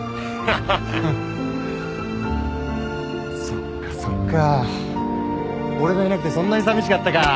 そっかそっか俺がいなくてそんなにさみしかったか。